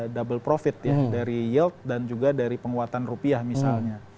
double profit ya dari yield dan juga dari penguatan rupiah misalnya